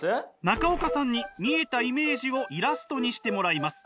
中岡さんに見えたイメージをイラストにしてもらいます。